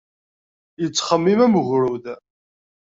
Yettxemmim am ugrud.